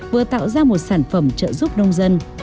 vừa tạo ra một sản phẩm trợ giúp nông dân